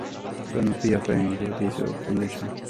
Do not be afraid; God is our foundation, our freedom.